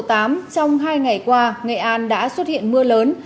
trong hai ngày qua nghệ an đã xuất hiện mưa lớn